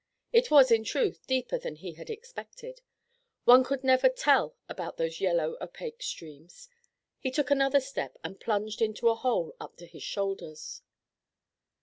It was, in truth, deeper than he had expected one could never tell about these yellow, opaque streams. He took another step and plunged into a hole up to his shoulders.